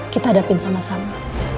kita hadapin sama sama